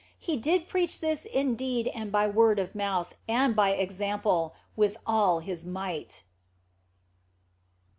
He did preach this in deed and by word of mouth and by example, with all His might.